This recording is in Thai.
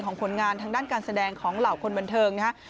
ผลงานทางด้านการแสดงของเหล่าคนบันเทิงนะครับ